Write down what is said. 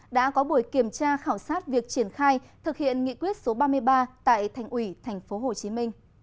đã có buổi kiểm tra khảo sát việc triển khai thực hiện nghị quyết số ba mươi ba tại thành ủy tp hcm